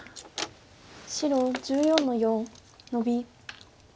白１４の四ノビ。